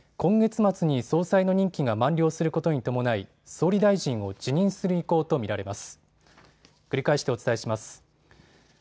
これにより今月末に総裁の任期が満了することに伴い総理大臣を辞任する意向と見られます。